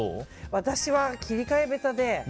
私は切り替え下手で。